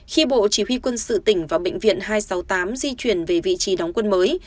khi bộ chỉ huy quân sự tỉnh và bệnh viện hai trăm sáu mươi tám di chuyển về vị trí đóng quân mới